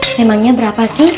apakah itu berapa